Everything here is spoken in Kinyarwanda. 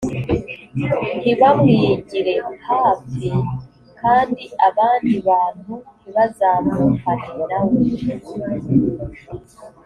ntibamwigire hafi kandi abandi bantu ntibazamukane nawe